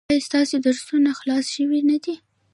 ایا ستاسو درسونه خلاص شوي نه دي؟